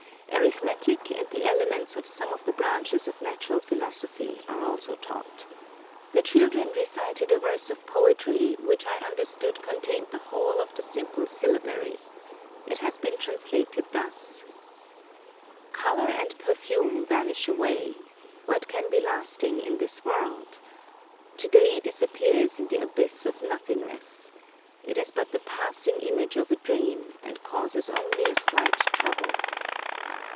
Arithmetic and the elements of some of the branches of natural philosophy are also taught. The children recited a verse of poetry which I understood contained the whole of the simple syllabary. It has been translated thus:— "Colour and perfume vanish away. What can be lasting in this world? To day disappears in the abyss of nothingness; It is but the passing image of a dream, and causes only a slight trouble."